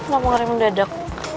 gak mau orang mendadak